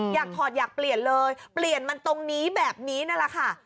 ถอดอยากเปลี่ยนเลยเปลี่ยนมันตรงนี้แบบนี้นั่นแหละค่ะ